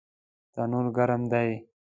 تنور ګرم دی